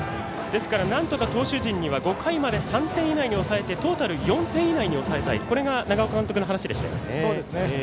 ですから、なんとか投手陣には５回まで３点以内に抑えてトータル４点以内に抑えたい、これが長尾監督の話でしたよね。